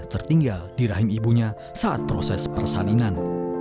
tertinggal di rahim ibunya saat proses persalinan